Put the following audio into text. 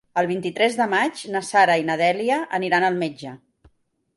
El vint-i-tres de maig na Sara i na Dèlia aniran al metge.